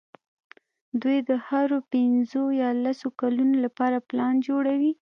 دوی د هرو پینځو یا لسو کلونو لپاره پلان جوړوي.